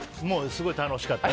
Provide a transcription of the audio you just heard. すごい楽しかった。